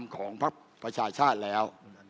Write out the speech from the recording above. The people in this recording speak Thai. ของภรรณ์ประชาชาทนอกแล้ว